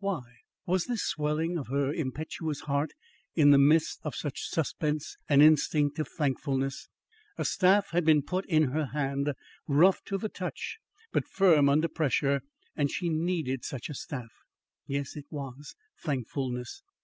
Why? Was this swelling of her impetuous heart in the midst of such suspense an instinct of thankfulness? A staff had been put in her hand, rough to the touch, but firm under pressure, and she needed such a staff. Yes, it was thankfulness.